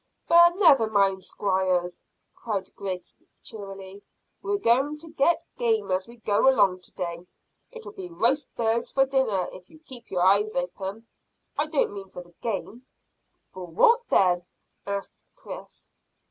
"But never mind, squires," cried Griggs cheerily; "we're going to get game as we go along to day. It'll be roast birds for dinner if you keep your eyes open. I don't mean for the game." "For what then?" asked Chris.